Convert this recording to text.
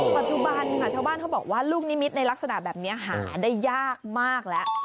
ปัจจุบันค่ะชาวบ้านเขาบอกว่าลูกนิมิตในลักษณะแบบนี้หาได้ยากมากแล้ว